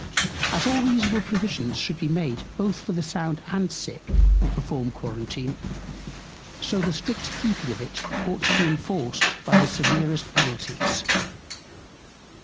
As all reasonable Provisions should be made both for the Sound and Sick, who perform Quarentine; so the strict keeping of it ought to be inforced by the severest Penalties.